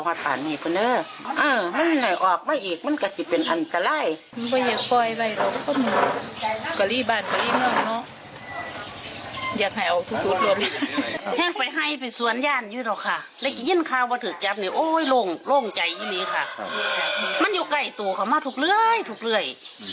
มันอยู่ใกล้ตัวค่ะมาถูกเรื่อย